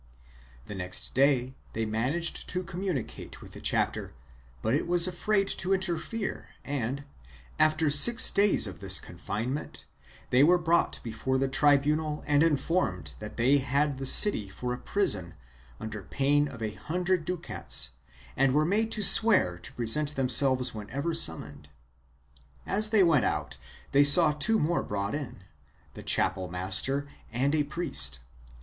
The next day they managed to communicate with the chapter, but it was afraid to interfere and, after six days of this confinement, they were brought before the tribunal and informed that they had the city for a prison, under pain of a hundred ducats, and were made to swear to present themselves whenever summoned. As they went out they saw two more brought in — the chapel master and a priest.